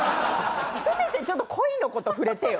せめてちょっと恋の事触れてよ。